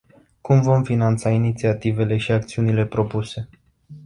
Cum vom finanța inițiativele și acțiunile propuse?